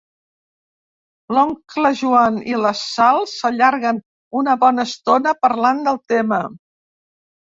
L'oncle Joan i la Sal s'allarguen una bona estona parlant del tema.